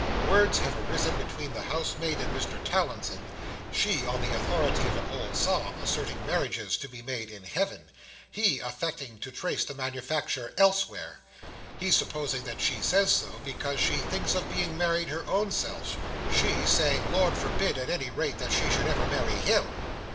Words have arisen between the housemaid and Mr Towlinson; she, on the authority of an old saw, asserting marriages to be made in Heaven: he, affecting to trace the manufacture elsewhere; he, supposing that she says so, because she thinks of being married her own self: she, saying, Lord forbid, at any rate, that she should ever marry him.